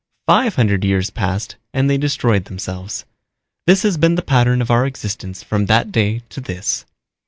Five hundred years passed and they destroyed themselves. This has been the pattern of our existence from that day to this."